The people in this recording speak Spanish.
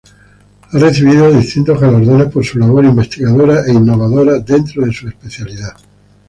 Ha recibido distintos galardones por su labor investigadora e innovadora dentro de su especialidad.